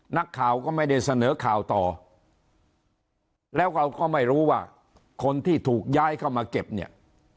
นักข่าวก็ไม่ได้เสนอข่าวต่อแล้วเราก็ไม่รู้ว่าคนที่ถูกย้ายเข้ามาเก็บเนี่ย